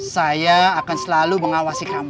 saya akan selalu mengawasi kami